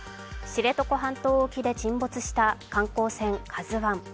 知床半島沖で沈没した観光船「ＫＡＺＵⅠ」。